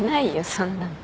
そんなの。